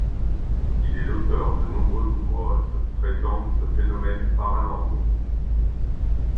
Il est l'auteur de nombreux ouvrages traitant de phénomènes paranormaux.